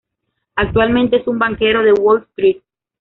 Actualmente es un banquero de Wall Street.